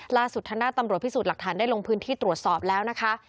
ล่าสุดทางด้านตำรวจพิสูจน์หลักฐานได้ลงพื้นที่ตรวจสอบแล้วนะคะ